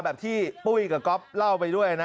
แบบที่ปุ้ยกับก๊อฟเล่าไปด้วยนะ